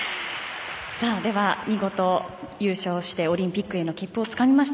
では見事優勝してオリンピックへの切符をつかみました。